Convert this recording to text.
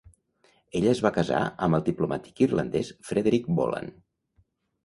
Ella es va casar amb el diplomàtic irlandès Frederick Boland.